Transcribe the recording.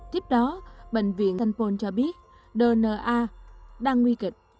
tiếp đó bệnh viện sanpon cho biết dna đang nguy kịch